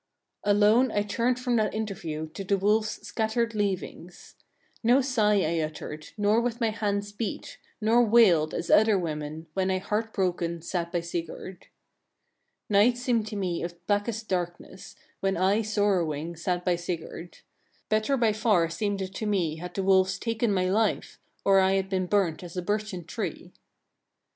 11. Alone I turned from that interview to the wolves' scattered leavings. No sigh I uttered, nor with my hands beat, nor wailed, as other women, when I heartbroken sat by Sigurd. 12. Night seemed to me of blackest darkness, when I sorrowing sat by Sigurd. Better by far it seemed to me had the wolves taken my life, or I had been burnt as a birchen tree.